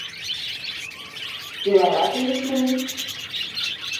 Иларға тейешме ни?